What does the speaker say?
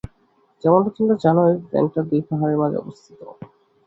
যেমনটা তোমরা জানোই, প্ল্যান্টটা দুই পাহাড়ের মাঝে অবস্থিত।